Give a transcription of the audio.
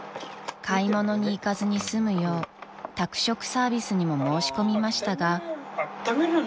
［買い物に行かずに済むよう宅食サービスにも申し込みましたが］